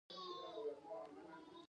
د پينځوسو کالو به و.